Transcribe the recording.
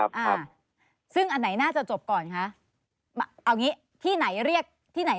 อ่าซึ่งอันไหนน่าจะจบก่อนคะเอางี้ที่ไหนเรียกที่ไหน